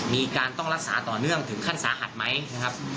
มีการต้องรักษาต่อเนื่องถึงขั้นสาหัสไหมนะครับ